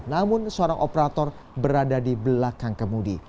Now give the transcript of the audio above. namun seorang operator berada di belakang kemudi